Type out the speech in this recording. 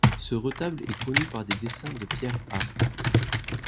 Ce retable est connu par des dessins de Pierre Affre.